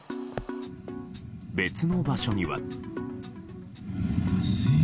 別の場所には。